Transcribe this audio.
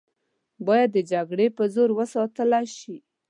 باید د جګړې په زور وساتله شي.